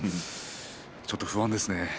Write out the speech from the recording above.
ちょっと不安ですよ。